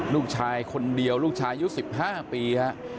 ลูกชายคนเดียวลูกชายยุคสิบห้าปีฮะ